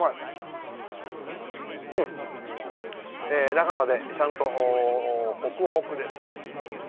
中までちゃんとほくほくです。